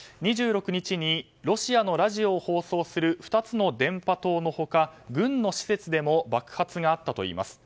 ２６日にロシアのラジオを放送する２つの電波塔のほか軍の施設でも爆発があったといいます。